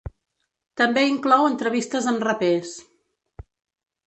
També inclou entrevistes amb rapers.